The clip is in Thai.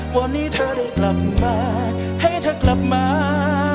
วันนี้เธอได้กลับมาให้เธอกลับมา